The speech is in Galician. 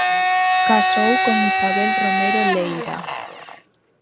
Casou con Isabel Romero Leira.